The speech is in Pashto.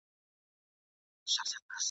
یوه ورځ به تلل کیږي عملونه په مېزان ..